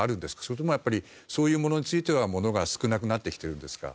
それともやっぱりそういうものについては物が少なくなってきてるんですか？